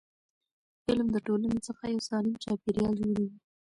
علم د ټولنې څخه یو سالم چاپېریال جوړوي.